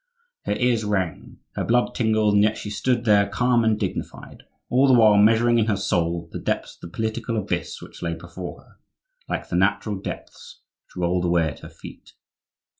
Her ears rang, her blood tingled, and yet she stood there calm and dignified, all the while measuring in her soul the depths of the political abyss which lay before her, like the natural depths which rolled away at her feet.